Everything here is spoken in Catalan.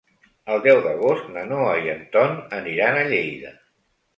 El deu d'agost na Noa i en Ton aniran a Lleida.